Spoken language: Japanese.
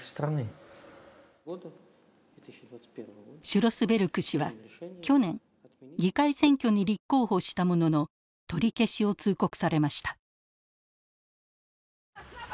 シュロスベルク氏は去年議会選挙に立候補したものの取り消しを通告されました。